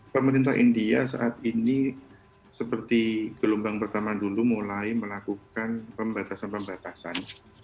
pemerintah india saat ini seperti gelombang pertama dulu mulai melakukan pembatasan pembatasan